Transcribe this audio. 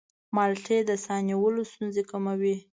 مالټې د ساه نیولو ستونزې کموي.